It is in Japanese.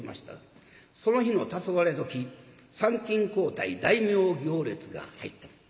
その日のたそがれどき参勤交代大名行列が入ってくる。